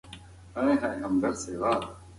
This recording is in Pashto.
د پخلي زده کړه د هیلې لپاره کومه مینه نه درلوده.